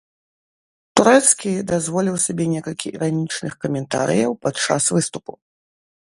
Турэцкі дазволіў сабе некалькі іранічных каментарыяў падчас выступу.